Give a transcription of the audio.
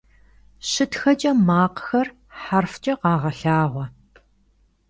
ЩытхэкӀэ макъхэр хьэрфкӀэ къагъэлъагъуэ.